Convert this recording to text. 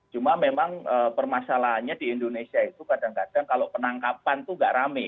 cuma memang permasalahannya di indonesia itu kadang kadang kalau penangkapan itu nggak rame